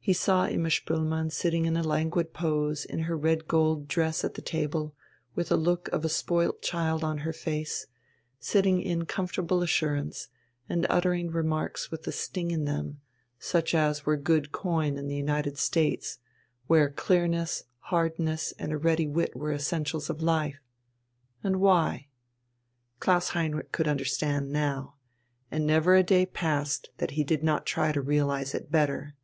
He saw Imma Spoelmann sitting in a languid pose in her red gold dress at the table, with a look as of a spoilt child on her face; sitting in comfortable assurance, and uttering remarks with a sting in them, such as were good coin in the United States, where clearness, hardness, and a ready wit were essentials of life. And why? Klaus Heinrich could understand now, and never a day passed that he did not try to realize it better.